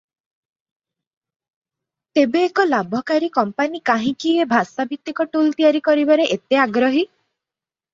ତେବେ ଏକ ଲାଭକାରୀ କମ୍ପାନି କାହିଁକି ଏ ଭାଷାଭିତ୍ତିକ ଟୁଲ ତିଆରି କରିବାରେ ଏତେ ଆଗ୍ରହୀ?